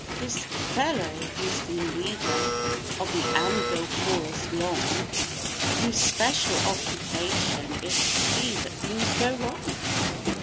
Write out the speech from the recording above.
This "fellow" who's been leader of the anvil chorus long. Whose special occupation is to see that things go wrong.